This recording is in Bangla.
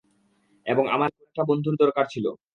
এবং আমার একটা বন্ধুর দরকার ছিল।